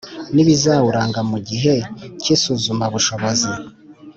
N ibizawuranga mu gihe cy isuzumabushobozi